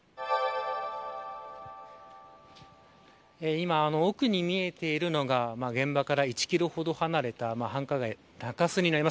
今、奥に見えているのが現場から１キロほど離れた繁華街中洲になります。